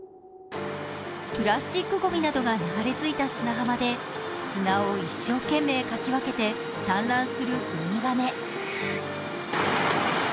プラスチックゴミなどが流れ着いた砂浜で砂を一生懸命かき分けて産卵するウミガメ。